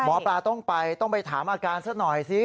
หมอปลาต้องไปต้องไปถามอาการซะหน่อยสิ